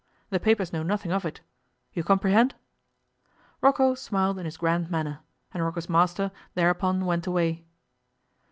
The papers know nothing of it. You comprehend?' Rocco smiled in his grand manner, and Rocco's master thereupon went away.